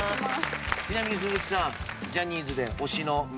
ちなみに鈴木さん。